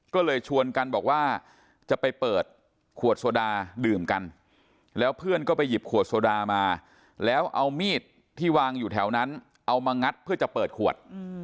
ก็เลยชวนกันบอกว่าจะไปเปิดขวดโซดาดื่มกันแล้วเพื่อนก็ไปหยิบขวดโซดามาแล้วเอามีดที่วางอยู่แถวนั้นเอามางัดเพื่อจะเปิดขวด